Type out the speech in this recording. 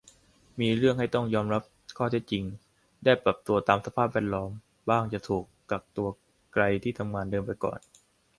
มีเรื่องให้ต้องยอมรับข้อเท็จจริง ได้ปรับตัวตามสภาพแวดล้อม บ้างจะถูกกักตัวไกลที่ทำงานเดิมไปก่อน